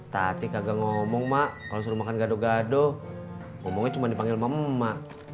tadi kagak ngomong mak kalau suruh makan gaduh gaduh ngomongnya cuma dipanggil mama